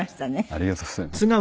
ありがとうございます。